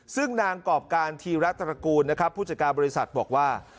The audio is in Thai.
ซึ่งนางกรอบการธีรัตรกูลนะครับผู้จัดการบริษัทบอกว่า